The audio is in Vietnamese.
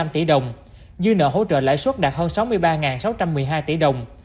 hai trăm linh bảy một trăm tám mươi năm tỷ đồng dư nợ hỗ trợ lại suốt đạt hơn sáu mươi ba sáu trăm một mươi hai tỷ đồng